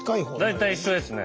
大体一緒ですね。